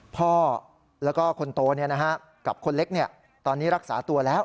พ่อแล้วก็คนโตกับคนเล็กตอนนี้รักษาตัวแล้ว